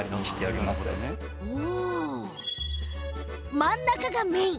真ん中がメイン。